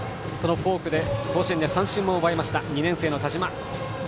フォークで甲子園で三振も奪いました２年生の田嶋。